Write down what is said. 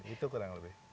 itu kurang lebih